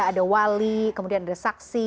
ada wali kemudian ada saksi